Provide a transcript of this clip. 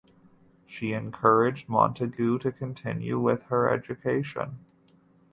She encouraged Montagu to continue with her education.